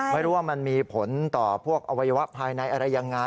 ไม่รู้ว่ามันมีผลต่อพวกอวัยวะภายในอะไรยังไง